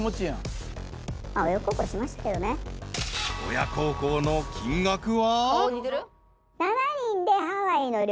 ［親孝行の金額は？］